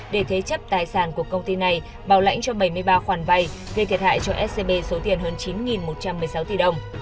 để thế chấp tài sản của công ty này bảo lãnh cho bảy mươi ba khoản vay gây thiệt hại cho scb số tiền hơn chín một trăm một mươi sáu tỷ đồng